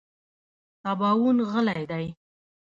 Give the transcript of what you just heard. سباوون غلی دی .